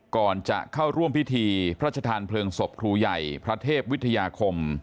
ก่อนจะเข้าร่วมพิธีพระชธานเพลิงศพครูใหญ่พระเทพวิทยาคม